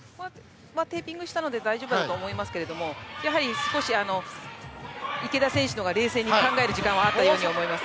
テーピングしたので大丈夫だと思いますけどやはり少し、池田選手の方が冷静に考える時間はあったように思います。